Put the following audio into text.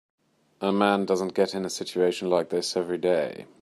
A man doesn't get in a situation like this every day.